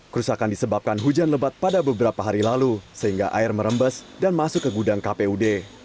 kerusakan disebabkan hujan lebat pada beberapa hari lalu sehingga air merembes dan masuk ke gudang kpud